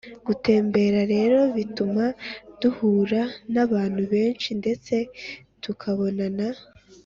gutembera rero bituma duhura n’abantu benshi ndetse tukabona